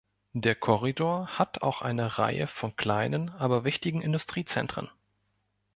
Der Korridor hat auch eine Reihe von kleinen, aber wichtigen Industriezentren.